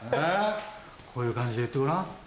こういう感じで言ってごらん？